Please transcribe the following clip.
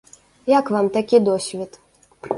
Як вам такі досвед?